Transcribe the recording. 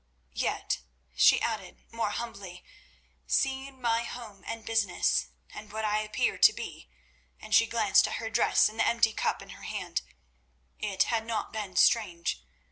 Yet," she added more humbly, "seeing my home and business, and what I appear to be," and she glanced at her dress and the empty cup in her hand, "it had not been strange.